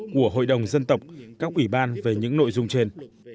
của hội đồng dân tộc các ủy ban về những nội dung trên